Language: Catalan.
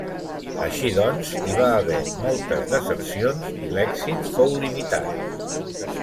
Així doncs, hi va haver moltes desercions i l'èxit fou limitat.